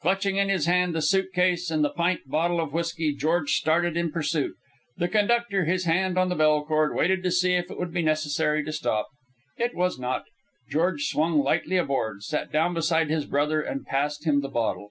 Clutching in his hand the suit case and a pint bottle of whisky, George started in pursuit. The conductor, his hand on the bell cord, waited to see if it would be necessary to stop. It was not. George swung lightly aboard, sat down beside his brother, and passed him the bottle.